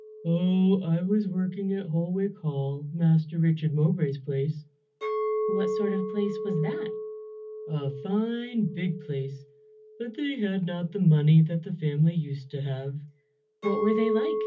"Oh, I was working at Holwick Hall, Master Richard Mowbray's place." "What sort of a place was that?" "A fine big place, but they had not the money that the family used to have." "What were they like?"